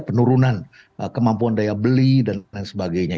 penurunan kemampuan daya beli dan lain sebagainya